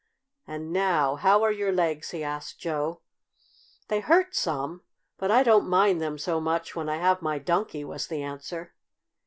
"And now how are your legs?" he asked Joe. "They hurt some; but I don't mind them so much when I have my Donkey," was the answer.